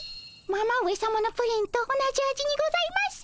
ママ上さまのプリンと同じ味にございます。